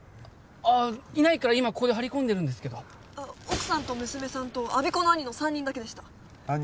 ああいないから今ここで張り込んでるんですけど奥さんと娘さんと我孫子の兄の３人だけでした兄？